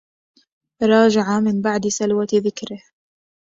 راجع من بعد سلوة ذكره